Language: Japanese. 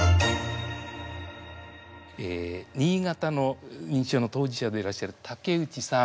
新潟の認知症の当事者でいらっしゃる竹内さん。